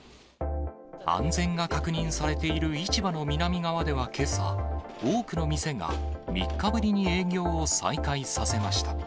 安全が確認されている市場の南側ではけさ、多くの店が３日ぶりに営業を再開させました。